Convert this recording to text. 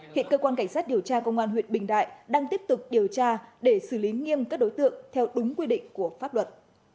hiện cơ quan cảnh sát điều tra công an huyện bình đại đang tiếp tục điều tra để xử lý nghiêm các đối tượng theo đúng quy định của pháp luật